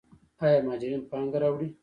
آیا مهاجرین پانګه راوړي؟